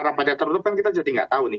rapatnya tertutup kan kita jadi gak tahu nih